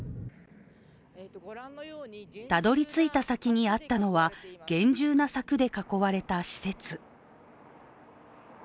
たどりついた先にあったのは厳重な柵で囲われた施設。